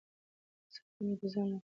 سختۍ مې د ځان لپاره امتحان وباله.